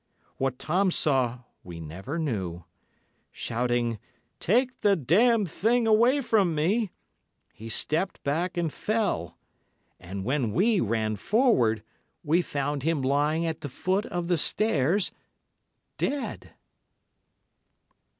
What Tom saw we never knew. Shouting, 'Take the damned thing away from me!' he stepped back and fell; and when we ran forward, we found him lying at the foot of the stairs—dead."